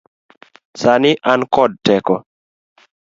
Sani an kod teko.